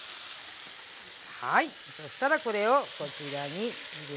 はいそしたらこれをこちらに入れてあげて。